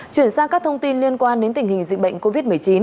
chuyển sang các thông tin liên quan đến tình hình dịch bệnh covid một mươi chín